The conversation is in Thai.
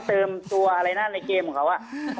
คุณเอกวีสนิทกับเจ้าแม็กซ์แค่ไหนคะ